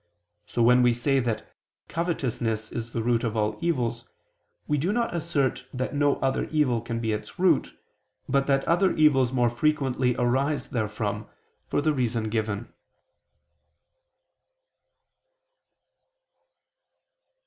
So when we say that covetousness is the root of all evils, we do not assert that no other evil can be its root, but that other evils more frequently arise therefrom, for the reason given.